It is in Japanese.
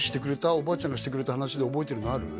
おばあちゃんがしてくれた話で覚えてるのある？